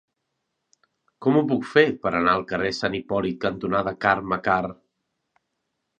Com ho puc fer per anar al carrer Sant Hipòlit cantonada Carme Karr?